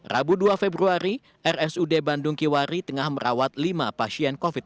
rabu dua februari rsud bandung kiwari tengah merawat lima pasien covid sembilan belas